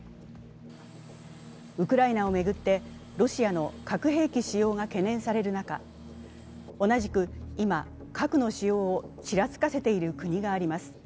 ウクライナを巡ってロシアの核兵器使用が懸念される中、同じく今、核の使用をちらつかせている国があります。